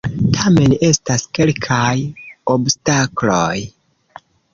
Tamen estas kelkaj obstakloj!